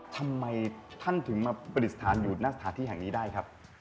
ทำไมท่านถึงมาปฏิสธาณอยู่ณสถาที่แห่งนี้ได้ครับ